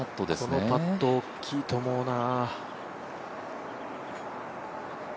このパット大きいと思うな。